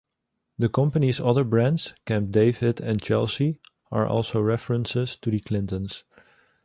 The company's other brands, Camp David and Chelsea, are also references to the Clintons.